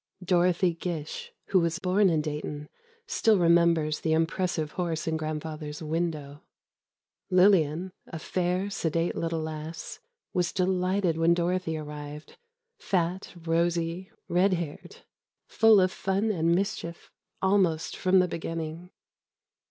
Dorothy Gish, who was born in Dayton, still remembers the impressive horse in Grandfather's window. Lillian, a fair, sedate little lass, was delighted when Dorothy arrived—fat, rosy, red haired—full of fun and mischief, almost from the beginning.